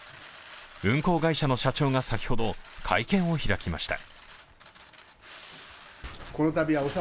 運航会社の社長が先ほど会見を開きました。